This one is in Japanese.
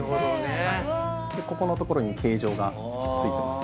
ここのところに形状がついています。